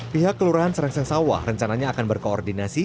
pihak kelurahan serengseng sawah rencananya akan berkoordinasi